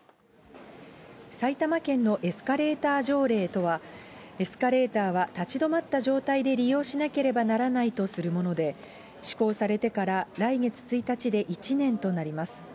埼玉県のエスカレーター条例とは、エスカレーターは立ち止まった状態で利用しなければならないとするもので、施行されてから来月１日で１年となります。